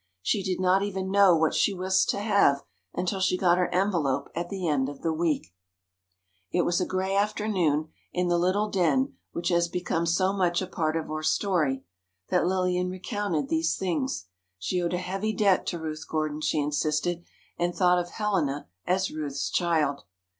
She did not even know what she was to have until she got her envelope at the end of the week. It was a gray afternoon, in the little den which has become so much a part of our story, that Lillian recounted these things. She owed a heavy debt to Ruth Gordon, she insisted, and thought of Helena as "Ruth's child."